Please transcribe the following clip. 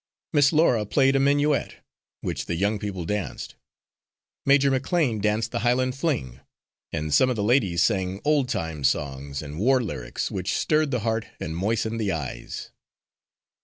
Miss Laura played a minuet, which the young people danced. Major McLean danced the highland fling, and some of the ladies sang old time songs, and war lyrics, which stirred the heart and moistened the eyes.